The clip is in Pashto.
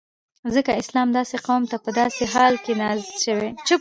ځکه اسلام داسی قوم ته په داسی حال کی نازل سوی